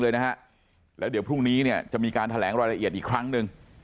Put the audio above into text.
เลยนะฮะแล้วเดี๋ยวพรุ่งนี้เนี่ยจะมีการแถลงรายละเอียดอีกครั้งหนึ่ง